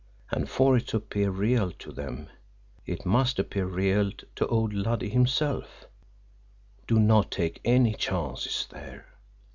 ... And for it to appear real to them, it must appear real to old Luddy himself do not take any chances there."